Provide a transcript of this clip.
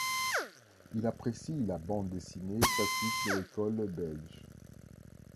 Il apprécie la bande dessinée classique de l'école belge.